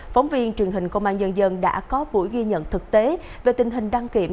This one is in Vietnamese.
phóng viên truyền hình công an nhân dân đã có buổi ghi nhận thực tế về tình hình đăng kiểm